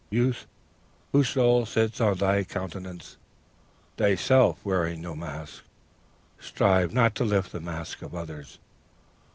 Youth, whose soul sits on thy countenance, thyself wearing no mask, strive not to lift the masks of others!